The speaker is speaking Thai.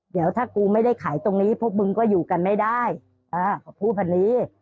เดี๋ยวถ้ากูไม่ได้ขายตรงนี้พวกมึงก็อยู่กันไม่ได้เขาพูดแบบนี้